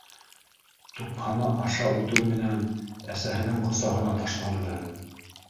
Тупһаны аша үтеү менән, әсәһенең ҡосағына ташланды